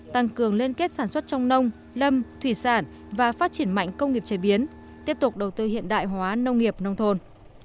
tăng cường liên kết sản xuất trong nông lâm thủy sản và phát triển mạnh công nghiệp chế biến tiếp tục đầu tư hiện đại hóa nông nghiệp nông thôn